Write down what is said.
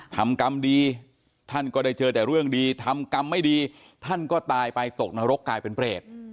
ทำกรรมดีท่านก็ได้เจอแต่เรื่องดีทำกรรมไม่ดีท่านก็ตายไปตกนรกกลายเป็นเปรต